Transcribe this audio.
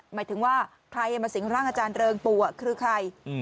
หมายถึงว่าใครมาสิงร่างอาจารย์เริงปู่คือใคร